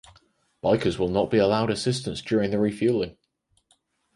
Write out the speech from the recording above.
Bikers will not be allowed assistance during the refueling.